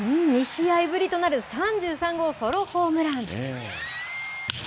２試合ぶりとなる３３号ソロホームラン。